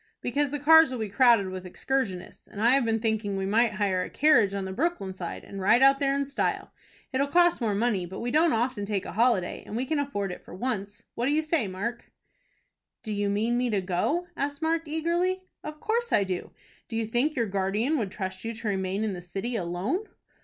"Because the cars will be crowded with excursionists, and I have been thinking we might hire a carriage on the Brooklyn side, and ride out there in style. It'll cost more money, but we don't often take a holiday, and we can afford it for once. What you do say, Mark?" "Do you mean me to go?" asked Mark, eagerly. "Of course I do. Do you think your guardian would trust you to remain in the city alone?"